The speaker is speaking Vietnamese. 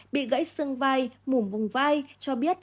bị gãy xương vai mủm vùng vai cho biết